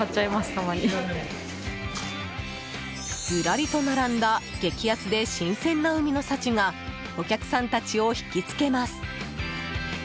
ずらりと並んだ激安で新鮮な海の幸がお客さんたちを引きつけます。